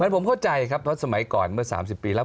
ผมเข้าใจครับเพราะสมัยก่อนเมื่อ๓๐ปีแล้ว